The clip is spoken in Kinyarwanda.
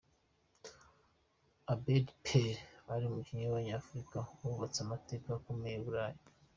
Abedi Pele ari mu bakinnyi b’abanyafurika bubatse amateka akomeye I Burayi.